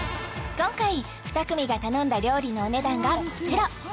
今回２組が頼んだ料理のお値段がこちら